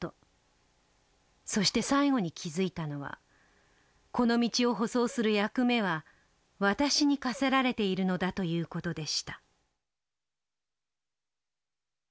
そして最後に気付いたのはこの道を舗装する役目は私に課せられているのだという事でした」。